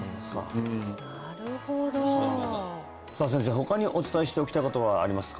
他にお伝えしておきたいことはありますか？